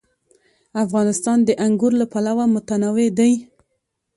افغانستان د انګور له پلوه متنوع دی.